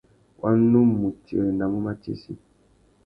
Wa nu mù tirenamú matsessi.